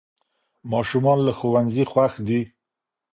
ماشومان له ښوونځي خوښ دي.